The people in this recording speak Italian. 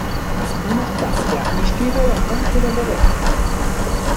Anastasia gli scriveva anche delle lettere.